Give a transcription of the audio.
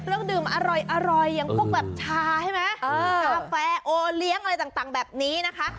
เครื่องดื่มอร่อยอย่างพวกแบบชาใช่ไหมกาแฟโอเลี้ยงอะไรต่างแบบนี้นะคะ